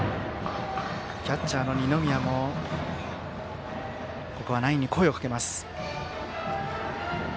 キャッチャーの二宮もここはナインに声をかけます。